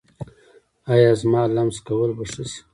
ایا زما لمس کول به ښه شي؟